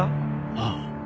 ああ。